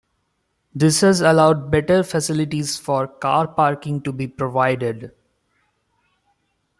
This has allowed better facilities for car parking to be provided.